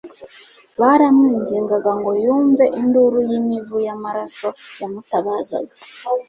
baramwingingaga ngo yumve induru y'imivu y'amaraso yamutabazaga